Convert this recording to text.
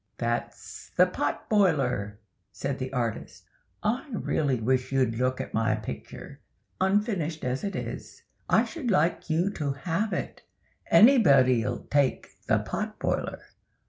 "That's the pot boiler," said the artist; "I really wish you'd look at my picture, unfinished as it is. I should like you to have it. Anybody'll take the pot boiler.